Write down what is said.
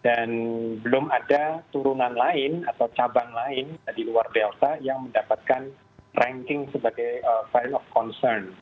dan belum ada turunan lain atau cabang lain di luar delta yang mendapatkan ranking sebagai varian of concern